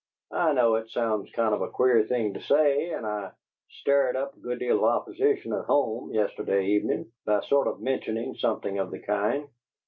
I know it sounds kind of a queer thing to say, and I stirred up a good deal of opposition at home, yesterday evening, by sort of mentioning something of the kind.